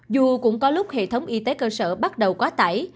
dù cũng có lúc hệ thống y tế cơ sở bắt đầu quá tải